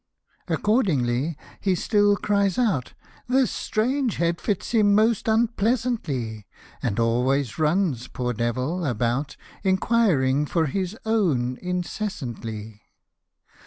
Accordingly, he still cries out This strange head fits him most unpleasantly ; And always runs, poor devil, about, Inquiring for his own incessantly